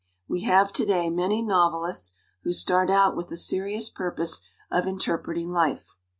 We have to day many novelists who start out with the seri ous purpose of interpreting life.